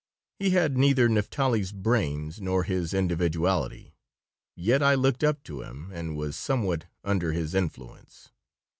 He had neither Naphtali's brains nor his individuality, yet I looked up to him and was somewhat under his influence.